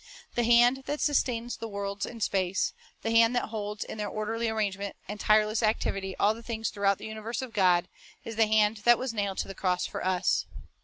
2 The hand that sustains the worlds in space, the hand that holds in their orderly arrangement and tireless activity all things throughout the universe of God, is the hand that was nailed to the cross for us.